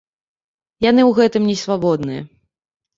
Яны ў гэтым не свабодныя.